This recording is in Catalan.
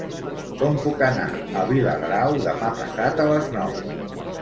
Com puc anar a Viladrau demà passat a les nou?